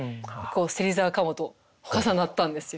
芹沢鴨と重なったんですよ。